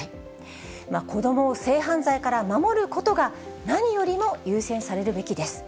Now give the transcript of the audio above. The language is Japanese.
子どもを性犯罪から守ることが何よりも優先されるべきです。